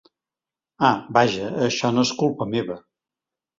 Ah, vaja, això no és culpa meva.